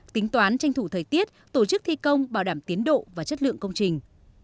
tính toán tranh thủ thời tiết tổ chức thi công bảo đảm tiến độ và chất lượng công trình